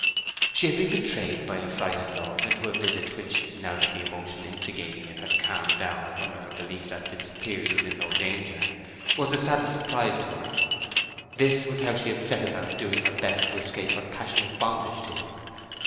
She had been betrayed by affrighted love into a visit which, now that the emotion instigating it had calmed down under her belief that Fitzpiers was in no danger, was the saddest surprise to her. This was how she had set about doing her best to escape her passionate bondage to him!